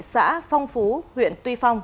xã phong phú huyện tuy phong